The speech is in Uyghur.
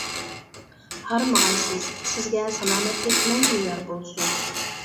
ھارمىغايسىز، سىزگە سالامەتلىك مەڭگۈ يار بولسۇن!